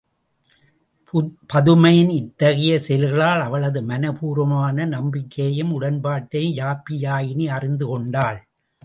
பதுமையின் இத்தகைய செயல்களால் அவளது மனப்பூர்வமான நம்பிக்கையையும் உடன்பாட்டையும் யாப்பியாயினி அறிந்து கொண்டாள்.